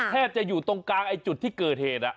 แทบจะอยู่ตรงกลางไอ้จุดที่เกิดเหตุ